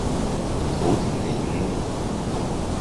头顶的萤幕